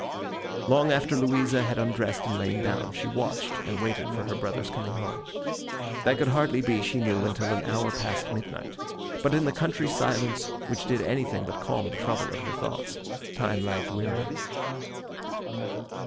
Long after Louisa had undressed and lain down, she watched and waited for her brother's coming home. That could hardly be, she knew, until an hour past midnight; but in the country silence, which did anything but calm the trouble of her thoughts, time lagged wearily.